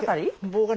棒が。